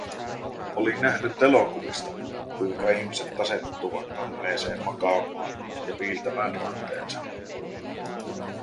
Olin nähnyt elokuvista, kuinka ihmiset asettautuvat ammeeseen makaamaan ja viiltämään ranteensa.